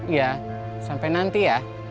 iya sampai nanti ya